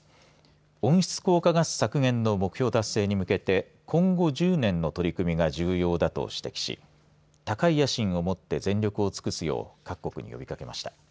温室効果ガス削減の目標達成に向けて今後、１０年の取り組みが重要だと指摘し高い野心を持って全力を尽くすよう各国に呼びかけました。